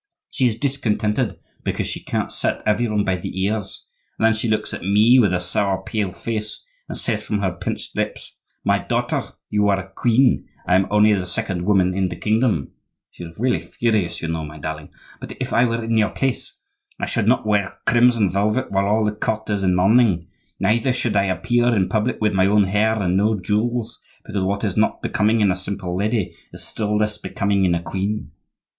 She is discontented because she can't set every one by the ears; and then she looks at me with a sour, pale face, and says from her pinched lips: 'My daughter, you are a queen; I am only the second woman in the kingdom' (she is really furious, you know, my darling), 'but if I were in your place I should not wear crimson velvet while all the court is in mourning; neither should I appear in public with my own hair and no jewels, because what is not becoming in a simple lady is still less becoming in a queen.